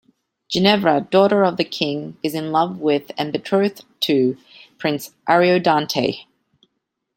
Ginevra, daughter of the King, is in love with and betrothed to Prince Ariodante.